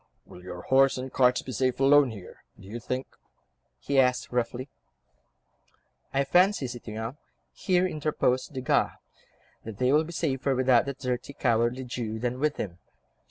"Will your horse and cart be safe alone, here, do you think?" he asked roughly. "I fancy, citoyen," here interposed Desgas, "that they will be safer without that dirty, cowardly Jew than with him.